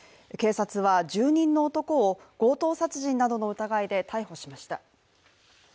警察は住人の男を強盗殺人などの疑いで逮捕しました。